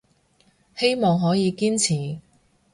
希望可以堅持